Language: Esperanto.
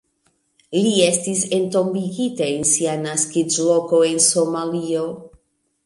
Li estis entombigita en sia naskiĝloko en Somalio.